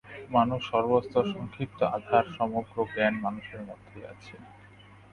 মানুষ সর্ববস্তুর সংক্ষিপ্ত আধার, সমগ্র জ্ঞান মানুষের মধ্যেই আছে।